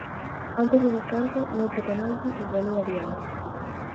Antes do descanso, noutro penalti, igualou Adrián.